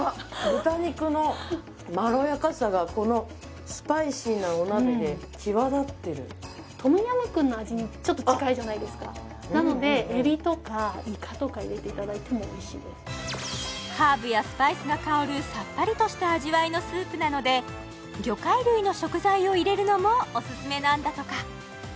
豚肉のまろやかさがこのスパイシーなお鍋で際立ってるトムヤムクンの味にちょっと近いじゃないですかなのでハーブやスパイスが香るさっぱりとした味わいのスープなので魚介類の食材を入れるのもオススメなんだとか！